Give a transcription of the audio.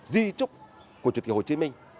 di trúc của chủ tịch hồ chí minh